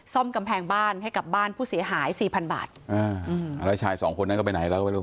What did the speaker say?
ซ่อมกำแพงบ้านให้กับบ้านผู้เสียหายสี่พันบาทอ่าอืมอ่าแล้วชายสองคนนั้นก็ไปไหนเราก็ไม่รู้